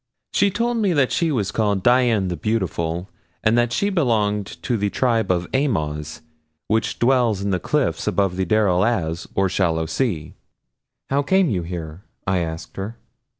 She told me that she was called Dian the Beautiful, and that she belonged to the tribe of Amoz, which dwells in the cliffs above the Darel Az, or shallow sea. "How came you here?" I asked her.